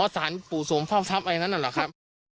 อ๋อศาลปู่โสมเฝ้าทรัพย์อันนั้นหรือครับ